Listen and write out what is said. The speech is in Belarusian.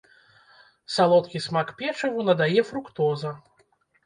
Салодкі смак печыву надае фруктоза.